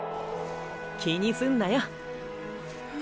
気にすんなよ。！！